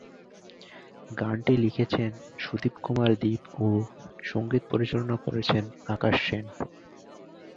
গানটি লিখেছেন সুদীপ কুমার দীপ ও সঙ্গীত পরিচালনা করেছেন আকাশ সেন।